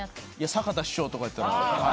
坂田師匠とかやったら。